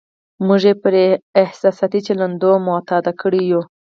موږ یې پر احساساتي چلندونو معتاد کړي یو.